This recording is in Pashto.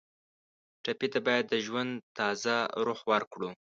ټپي ته باید د ژوند تازه روح ورکړو.